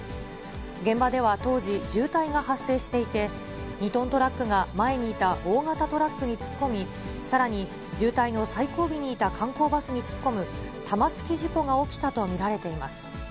現場では当時、渋滞が発生していて、２トントラックが前にいた大型トラックに突っ込み、さらに渋滞の最後尾にいた観光バスに突っ込む玉突き事故が起きたと見られています。